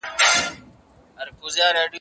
ژوند مو له مينې ډک.